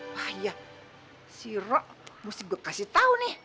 wah iya si rok mesti gue kasih tau nih